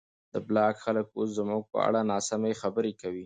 د بلاک خلک اوس زموږ په اړه ناسمې خبرې کوي.